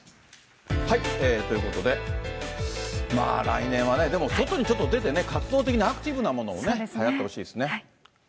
ということで、まあ来年はちょっとそとに出てね、活動的にアクティブなもの、はやってほしいですね。